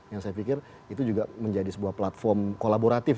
yang saya pikir itu juga menjadi sebuah platform kolaboratif